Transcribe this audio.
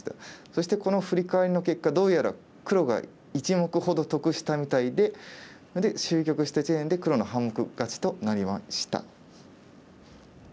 そしてこのフリカワリの結果どうやら黒が１目ほど得したみたいでそれで終局した時点で黒の半目勝ちとなりました。